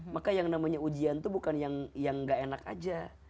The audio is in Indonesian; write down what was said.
maka yang namanya ujian itu bukan yang gak enak aja